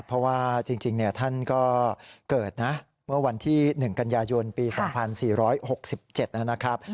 เพราะว่าจริงท่านก็เกิดนะเมื่อวันที่๑กันยายนปี๒๔๖๗นะครับ